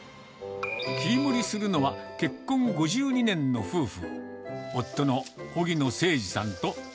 切り盛りするのは、結婚５２年の夫婦。